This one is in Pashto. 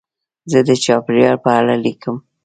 زه د چاپېریال په اړه لیکم.